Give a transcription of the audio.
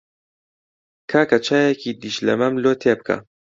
کاکە چایەکی دیشلەمەم لۆ تێ بکە.